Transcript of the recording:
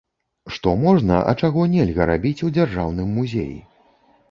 Што можна, а чаго нельга рабіць у дзяржаўным музеі?